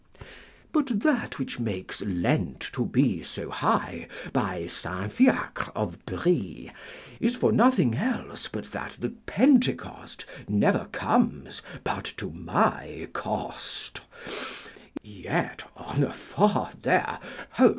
But that which makes Lent to be so high, by St. Fiacre of Bry, is for nothing else but that the Pentecost never comes but to my cost; yet, on afore there, ho!